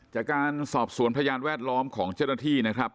จากการสอบสวนพยานแวดล้อมของเจ้าหน้าที่นะครับ